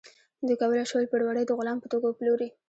دوی کولی شول پوروړی د غلام په توګه وپلوري.